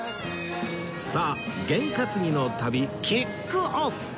さあ験担ぎの旅キックオフ